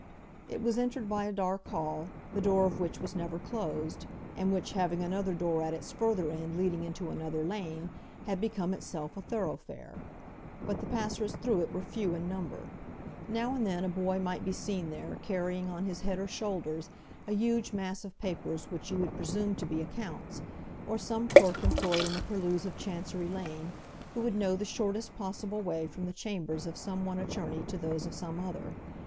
It was entered by a dark hall, the door of which was never closed; and which, having another door at its further end leading into another lane, had become itself a thoroughfare. But the passers through it were few in number. Now and then a boy might be seen there carrying on his head or shoulders a huge mass of papers which you would presume to be accounts, or some clerk employed in the purlieus of Chancery Lane who would know the shortest possible way from the chambers of some one attorney to those of some other.